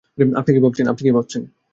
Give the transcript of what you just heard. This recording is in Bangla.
আপনি কী ভাবছেন?